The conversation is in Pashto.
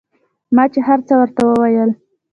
ما چې هرڅه ورته وويل.